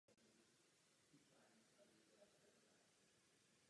Na dalších událostech se již všechny prameny shodují.